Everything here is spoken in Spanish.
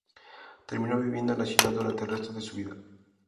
Terminó viviendo en la ciudad durante el resto de su vida.